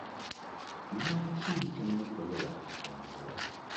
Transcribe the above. Lwaki temulina baluwa yabufumbo?